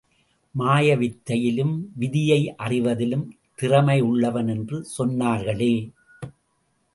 மாயவித்தையிலும், விதியையறிவதிலும் திறழையுள்ளவன் என்று சொன்னர்ர்களே!